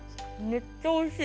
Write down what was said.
めっちゃおいしい。